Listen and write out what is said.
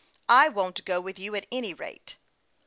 " I won't go with you at any rate."